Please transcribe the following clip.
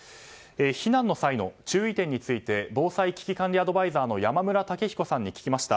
避難の際の注意点について防災・危機管理アドバイザーの山村武彦さんに聞きました。